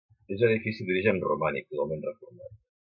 És un edifici d'origen romànic totalment reformat.